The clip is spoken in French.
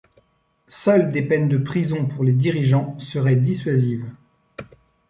Seules des peines de prison pour les dirigeants seraient dissuasives.